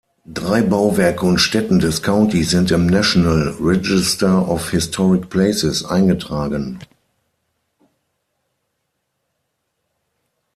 Drei Bauwerke und Stätten des Countys sind im National Register of Historic Places eingetragen.